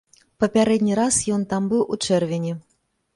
Папярэдні раз ён там быў у чэрвені.